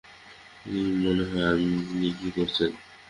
কি মনেহয় আপনি কি করছেন?